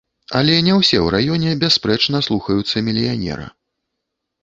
Але не ўсе ў раёне бясспрэчна слухаюцца мільянера.